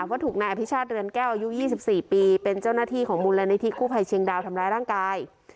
ว่าถูกนายอภิชาติเรือนแก้วอายุ๒๔ปีเป็นเจ้าหน้าที่ของมูลนิธิกู้ภัยเชียงดาวทำร้ายร่างกาย